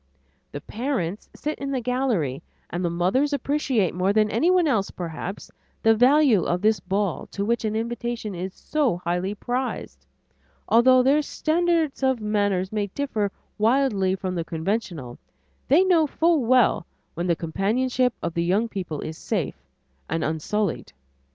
The parents sit in the gallery, and the mothers appreciate more than anyone else perhaps, the value of this ball to which an invitation is so highly prized; although their standards of manners may differ widely from the conventional, they know full well when the companionship of the young people is safe and unsullied.